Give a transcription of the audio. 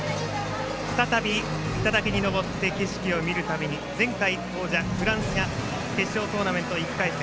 再び、頂に登って景色を見るために前回王者フランスが決勝トーナメント１回戦